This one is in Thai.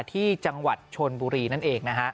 ที่จังหวัดชนบุรีนั่นเองนะฮะ